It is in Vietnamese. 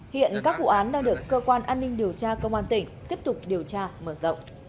hiện các vụ án đang được cơ quan an ninh điều tra công an tỉnh tiếp tục điều tra mở rộng